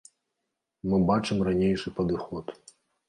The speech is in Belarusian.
Мы бачым ранейшы падыход.